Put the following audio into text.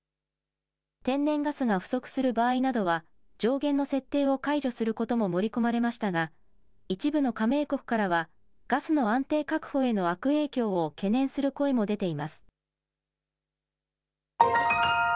天然ガスが不足する場合などは、上限の設定を解除することも盛り込まれましたが、一部の加盟国からは、ガスの安定確保への悪影響を懸念する声も出ています。